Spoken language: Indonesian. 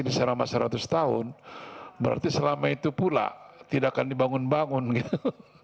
kalau dpr tidak membahas di sini selama seratus tahun berarti selama itu pula tidak akan dibangun bangun gitu